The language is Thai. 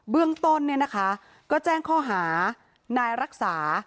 เบื้องต้นเนี่ยนะคะก็แจ้งข้อหานายรักษา